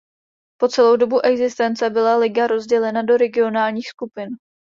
Po celou dobu existence byla liga rozdělena do regionálních skupin.